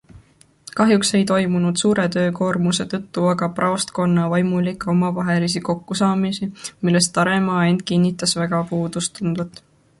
Kahjuks ei toimunud suure töökoormuse tõttu aga praostkonna vaimulike omavahelisi kokkusaamisi, millest Taremaa end kinnitas väga puudust tundvat.